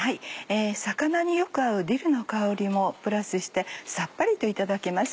魚によく合うディルの香りもプラスしてさっぱりといただけます。